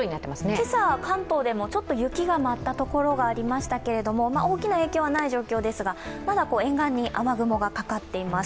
今朝、関東でもちょっと雪が舞ったところがありましたけども大きな影響はない状況ですが、まだ沿岸に雨雲がかかっています。